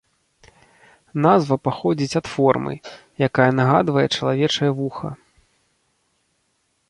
Назва паходзіць ад формы, якая нагадвае чалавечае вуха.